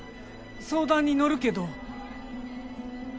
相談に乗るけど。